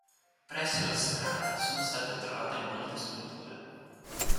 Presso la strada sono state trovate molte sculture.